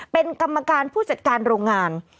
เป็นกรรมการผู้จัดการโรงงาน